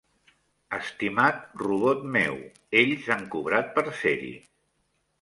Estimat robot meu, ells han cobrat per ser-hi.